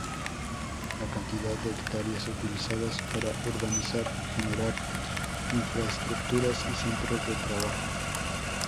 La cantidad de hectáreas utilizadas para urbanizar, generar infraestructuras y centros de trabajo.